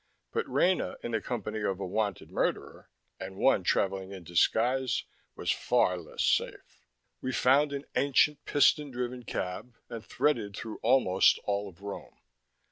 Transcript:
But Rena in the company of a wanted "murderer" and one traveling in disguise was far less safe.... We found an ancient piston driven cab and threaded through almost all of Rome.